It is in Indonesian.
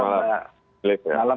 selamat malam pak oke